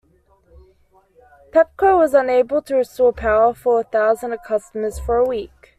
Pepco was unable to restore power for thousands of customers for a week.